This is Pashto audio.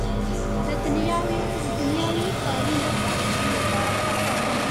د دنیاوي کارونو خلاصېدو لپاره خفه وم.